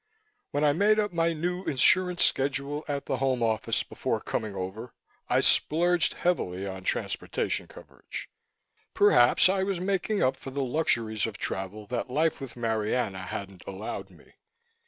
When I made up my new insurance schedule at the Home Office before coming over, I splurged heavily on transportation coverage. Perhaps I was making up for the luxuries of travel that life with Marianna hadn't allowed me.